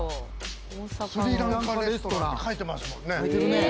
「スリランカレストラン」書いてますもんね。